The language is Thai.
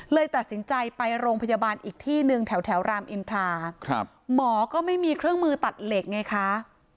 เลยตัดสินใจไปโรงพยาบาลอีกที่หนึ่งแถวรามอินทราหมอก็ไม่มีเครื่องมือตัดเหล็กไงคะ